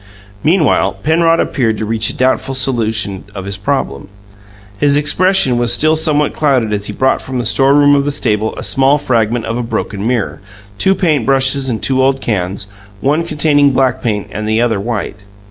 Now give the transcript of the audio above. Meanwhile, Penrod appeared to reach a doubtful solution of his problem. His expression was still somewhat clouded as he brought from the storeroom of the stable a small fragment of a broken mirror, two paint brushes and two old cans, one containing black paint and the other white.